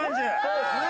そうですね